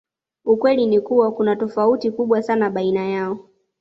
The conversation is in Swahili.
Ukweli ni kuwa kuna tofauti kubwa sana baina yao